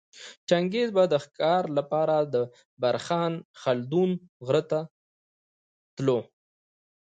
چنګیز به د ښکاره لپاره د برخان خلدون غره ته تلی